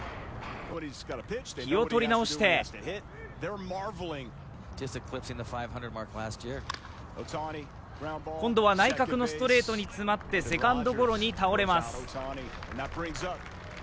気を取り直して今度は内角のストレートに詰まってセカンドゴロに倒れます。